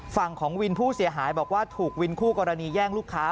ฝั่งของวินผู้เสียหายบอกว่าถูกวินคู่กรณีแย่งลูกค้า